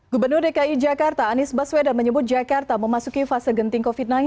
gubernur dki jakarta anies baswedan menyebut jakarta memasuki fase genting covid sembilan belas